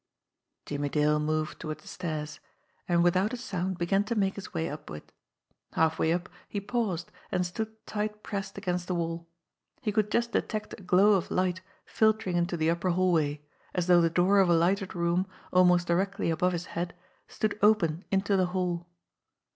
Jimmie Dale moved toward the stairs, and without a sound began to make his way upward. Halfway up he paused, and stood tight pressed against the wall. He could just detect a glow of light filtering into the upper hallway, as though the door of a lighted room, almost directly above his head, stood open into the hall.